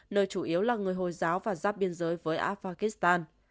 nơi chủ yếu là người hồi giáo và giáp biên giới với afghan